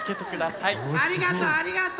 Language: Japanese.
ありがとありがと！